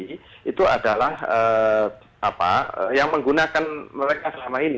itu adalah apa yang menggunakan mereka selama ini